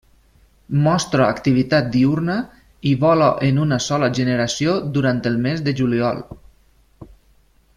Mostra activitat diürna i vola en una sola generació durant el mes de juliol.